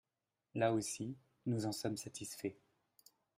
Là aussi, nous en sommes satisfaits.